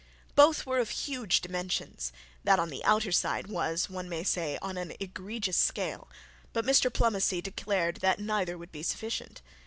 Both were of huge dimensions; that on the outer side, one may say, on an egregious scale; but Mr Pomney declared that neither would be sufficient.